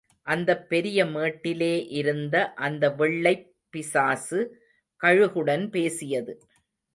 அந்தப் பெரிய மேட்டிலே இருந்த அந்த வெள்ளைப் பிசாசு, கழுகுடன் பேசியது.